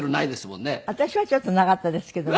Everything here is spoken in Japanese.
私はちょっとなかったですけどね。